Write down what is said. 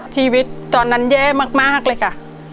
ชีวิตตอนนั้นแย่มากเลยค่ะ